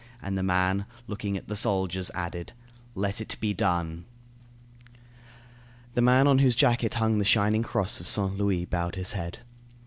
And the man, looking at the soldiers, added: "Let it be done." The man on whose jacket hung the shining cross of Saint Louis bowed his head.